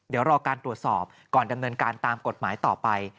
เดี๋ยวรอการตรวจสอบก่อนดำเนินการตามกฎหมายต่อไป